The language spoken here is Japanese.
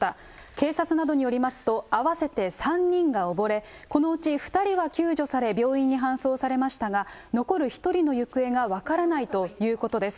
警察などによりますと、合わせて３人が溺れ、このうち２人は救助され、病院に搬送されましたが、残る１人の行方が分からないということです。